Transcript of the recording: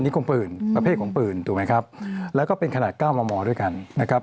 คมปืนประเภทของปืนถูกไหมครับแล้วก็เป็นขนาดเก้ามอมอด้วยกันนะครับ